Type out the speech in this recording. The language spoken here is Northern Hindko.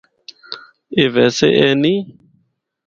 اے ویسے ای نیں۔